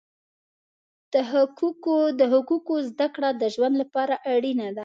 د حقوقو زده کړه د ژوند لپاره اړینه ده.